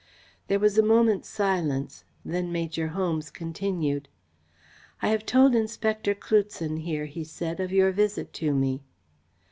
There was a moment's silence. Then Major Holmes continued. "I have told Inspector Cloutson here," he said, "of your visit to me."